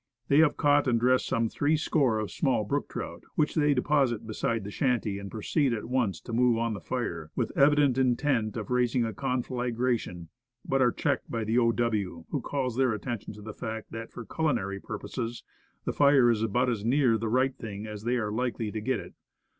They have caught and dressed some three score of small brook trout, which they deposit beside the shanty, and proceed at once to move on the fire, with evident intent of raising a conflagration, but are checked by the O. W., who calls their attention to the fact that for all culinary purposes, the fire is about as near the right thing as they are likely to get it.